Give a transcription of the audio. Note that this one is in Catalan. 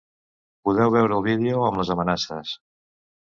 Podeu veure el vídeo amb les amenaces.